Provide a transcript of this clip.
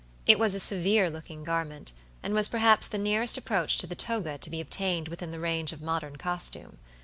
It was a severe looking garment, and was perhaps the nearest approach to the toga to be obtained within the range of modern costume.